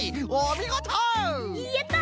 やった！